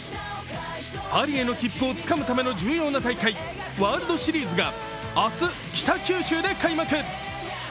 パリへの切符をつかむための重要な大会、ワールドシリーズが明日、北九州で開幕。